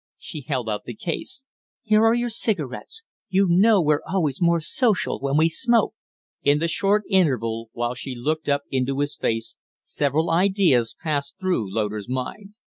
She held out the case. "Here are your cigarettes. You know we're always more social when we smoke." In the short interval while she looked up into his face several ideas passed through Loder's mind.